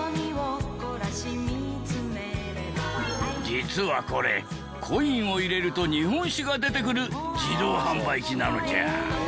実はこれコインを入れると日本酒が出てくる自動販売機なのじゃ。